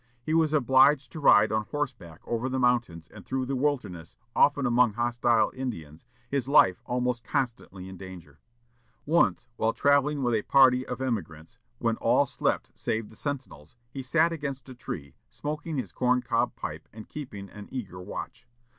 He was obliged to ride on horseback over the mountains and through the wilderness, often among hostile Indians, his life almost constantly in danger. Once, while travelling with a party of emigrants, when all slept save the sentinels, he sat against a tree, smoking his corn cob pipe and keeping an eager watch.